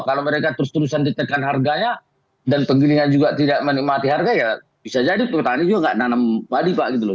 kalau mereka terus terusan ditekan harganya dan penggilingan juga tidak menikmati harga ya bisa jadi petani juga nggak nanam padi pak gitu loh